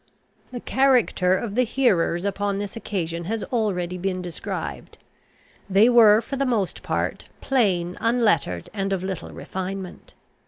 The character of the hearers upon this occasion has already been described. They were, for the most part, plain, unlettered, and of little refinement.